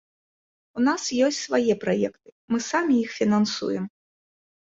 У нас ёсць свае праекты, мы самі іх фінансуем.